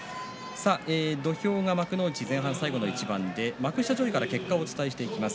土俵が幕内前半最後の一番で幕下上位から結果をお伝えします。